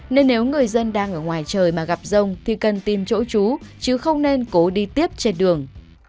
nên nếu người dân đang ở ngoài trời mà gặp rông thì cần tìm chỗ chú chứ không nên cố đi tiếp trên đường